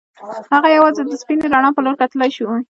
هغه یوازې د سپینې رڼا په لور کتلای شوای